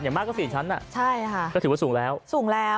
มากก็สี่ชั้นอ่ะใช่ค่ะก็ถือว่าสูงแล้วสูงแล้ว